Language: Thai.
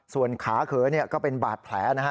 ส่วนขาเขอก็เป็นบาดแผลนะฮะ